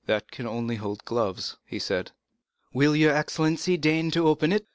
"That can only be to hold gloves," he said. "Will your excellency deign to open it?"